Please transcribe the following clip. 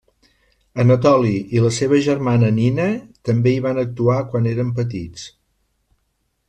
Anatoli i la seva germana Nina també hi van actuar quan eren petits.